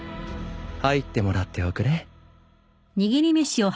入ってもらっておくれ。